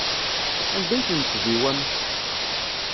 Anda ay ten-tdiwam?